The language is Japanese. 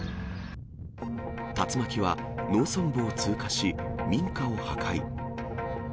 竜巻は農村部を通過し、民家を破壊。